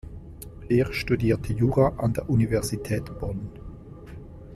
Er studierte Jura an der Universität Bonn.